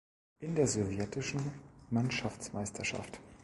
In der sowjetischen Mannschaftsmeisterschaft.